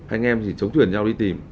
anh em thì chống thuyền nhau đi tìm